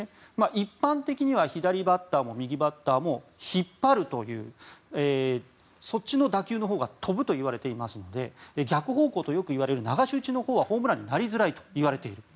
一般的には左バッターも右バッターも引っ張るというそっちの打球のほうが飛ぶといわれていますので逆方向とよく言われる流し打ちのほうはホームランになりづらいといわれている。